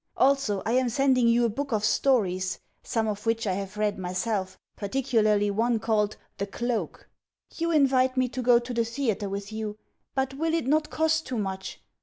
Also I am sending you a book of stories; some of which I have read myself, particularly one called "The Cloak." ... You invite me to go to the theatre with you. But will it not cost too much?